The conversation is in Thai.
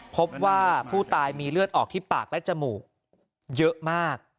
พบว่าผู้ตายมีเลือดออกที่ปากและจมูกเยอะมาก